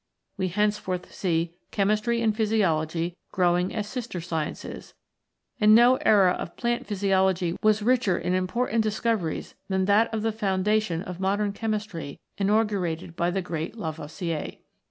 We henceforth see Chemistry and Physiology growing as sister sciences, and no era of Plant Physiology was richer in important discoveries than that of the foundation of modern chemistry inaugurated by the great Lavoisier.